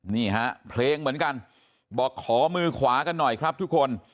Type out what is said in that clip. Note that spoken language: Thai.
นี่ฮะเพลงเหมือนกันบอกขอมือขวากันหน่อยครับทุกคน